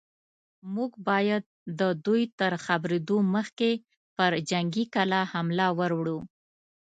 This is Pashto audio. موږ بايد د دوی تر خبرېدو مخکې پر جنګي کلا حمله ور وړو.